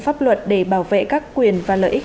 pháp luật để bảo vệ các quyền và lợi ích